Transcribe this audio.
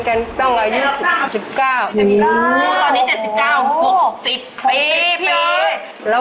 ใครจีบใครคะ